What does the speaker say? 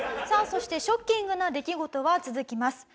さあそしてショッキングな出来事は続きます。